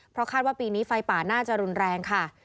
เพราะคาดว่าปีนี้ไฟป่าน่าจะรุนแรงค่ะ